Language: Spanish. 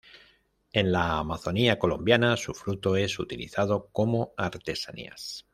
En la amazonia colombiana su fruto es utilizado como artesanías.